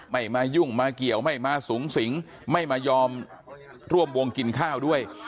ไม่มายุ่งมาเกี่ยวไม่มาสูงสิงไม่มายอมร่วมวงกินข้าวด้วย